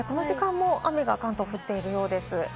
この時間も関東、雨が降っているようです。